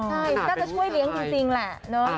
ก็จะช่วยเลี้ยงจริงแหละเนาะ